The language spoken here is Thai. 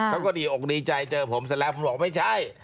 เขาก็ดีอกดีใจเจอผมเสร็จแล้วผมบอกไม่ใช่